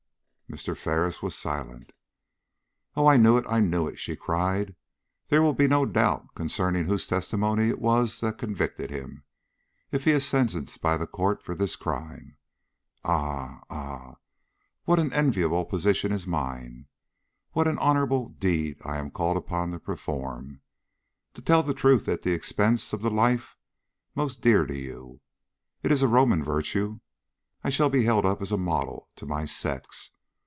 Mr. Ferris was silent. "Oh, I knew it, I knew it!" she cried. "There will be no doubt concerning whose testimony it was that convicted him, if he is sentenced by the court for this crime. Ah, ah, what an enviable position is mine! What an honorable deed I am called upon to perform! To tell the truth at the expense of the life most dear to you. It is a Roman virtue! I shall be held up as a model to my sex.